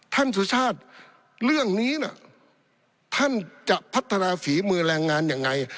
สุชาติเรื่องนี้น่ะท่านจะพัฒนาฝีมือแรงงานยังไง